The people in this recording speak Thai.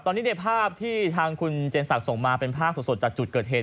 ตอนนี้ในภาพที่ทางคุณเจนศักดิ์ส่งมาเป็นภาพสดจากจุดเกิดเหตุ